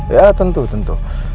ya tentu tentu